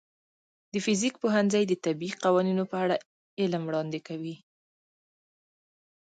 د فزیک پوهنځی د طبیعي قوانینو په اړه علم وړاندې کوي.